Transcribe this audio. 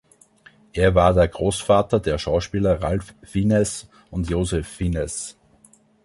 Er war der Großvater der Schauspieler Ralph Fiennes und Joseph Fiennes.